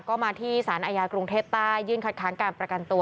ก็มาที่สารอาญากรุงเทพใต้ยื่นคัดค้างการประกันตัว